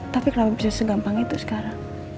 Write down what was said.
tapi kalau bisa segampang itu sekarang